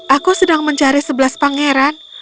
aku sedang mencari sebelas pangeran